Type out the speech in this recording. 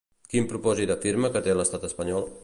Quin propòsit afirma que té l'estat espanyol?